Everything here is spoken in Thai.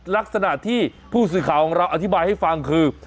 ลักษณะที่ผู้สื่อข่าวของเราอธิบายให้ฟังคือ